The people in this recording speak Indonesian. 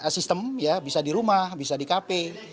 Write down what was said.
sistem ya bisa di rumah bisa di kp